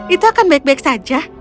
itu akan baik baik saja